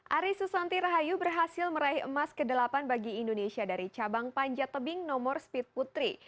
ari susanti rahayu berhasil meraih emas ke delapan bagi indonesia dari cabang panjat tebing nomor speed putri